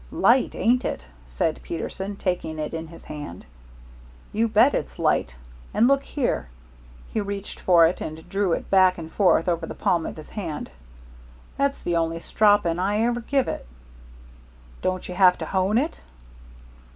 "Light, ain't it," said Peterson, taking it in his hand. "You bet it's light. And look here" he reached for it and drew it back and forth over the palm of his hand "that's the only stropping I ever give it." "Don't you have to hone it?"